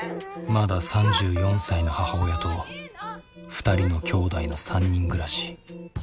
まだ３４歳の母親と２人の兄弟の３人暮らし。